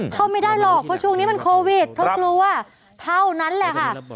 เข้าไม่ได้หรอกเพราะช่วงนี้มันโควิดเธอกลัวเท่านั้นแหละค่ะ